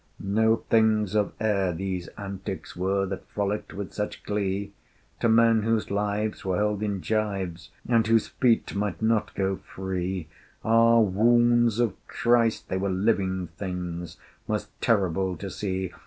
No things of air these antics were That frolicked with such glee: To men whose lives were held in gyves, And whose feet might not go free, Ah! wounds of Christ! they were living things, Most terrible to see.